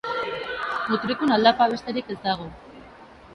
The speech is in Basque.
Mutrikun aldapa besterik ez dago.